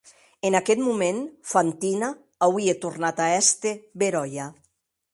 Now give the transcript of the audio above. En aqueth moment Fantina auie tornat a èster beròia.